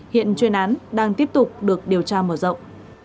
hiện chuyên án đang tiếp tục được điều tra mở rộng